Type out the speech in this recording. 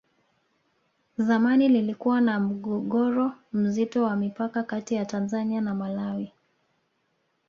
zamani lilikuwa na mgogoro mzito ya mipaka Kati ya tanzania na malawi